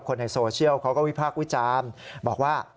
คนในโซเชียลเขาก็วิพากษ์วิจารณ์บอกว่า